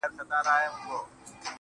داسې سيلۍ داسې بادونه بۀ دې نۀ راوستۀ